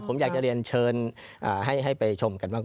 ผมอยากจะเรียนเชิญให้ไปชมกันบ้าง